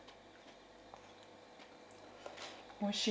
おいしい。